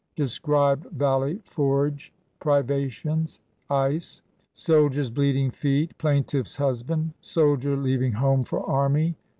Describe Valley Forge privations. Ice. Soldiers' bleeding feet. Plaintiff's husband. Soldier leaving home for army.